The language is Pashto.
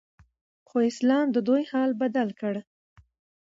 خو اسلام ددوی حال بدل کړ